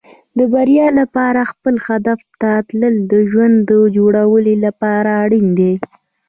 د بریا لپاره خپل هدف ته تلل د ژوند د جوړولو لپاره اړین دي.